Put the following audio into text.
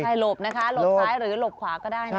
ใช่หลบนะคะหลบซ้ายหรือหลบขวาก็ได้นะคะ